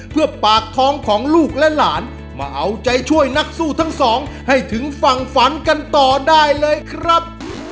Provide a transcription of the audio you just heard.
เพื่อปากท้องของลูกและหลานมาเอาใจช่วยนักสู้ทั้งสองให้ถึงฝั่งฝันกันต่อได้เลยครับ